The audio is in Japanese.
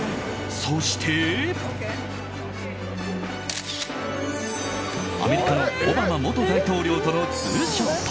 そして、アメリカのオバマ元大統領とのツーショット。